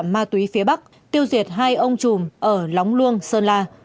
ma túy phía bắc tiêu diệt hai ông trùm ở lóng luông sơn la